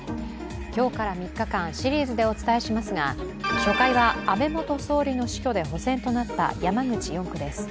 今日から３日間、シリーズでお伝えしますが安倍元総理の死去で補選となった山口４区です。